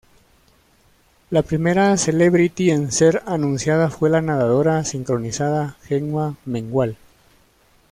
La primera celebrity en ser anunciada fue la nadadora sincronizada Gemma Mengual.